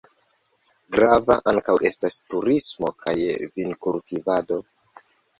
Grava ankaŭ estas turismo kaj vinkultivado.